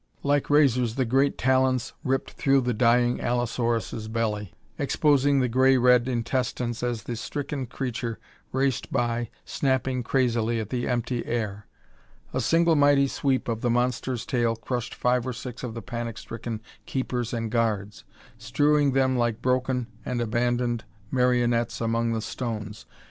Like razors the great talons ripped through the dying allosaurus' belly, exposing the gray red intestines as the stricken creature raced by, snapping crazily at the empty air. A single mighty sweep of the monster's tail crushed five or six of the panic stricken keepers and guards, strewing them like broken and abandoned marionettes among the stones.